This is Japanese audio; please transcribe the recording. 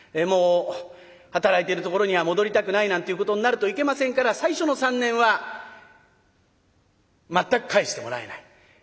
もう働いてるところには戻りたくないなんていうことになるといけませんから最初の３年は全く帰してもらえない。